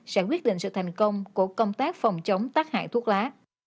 sẽ quyết định sự thành công của công tác phòng chống tác hại thuốc lá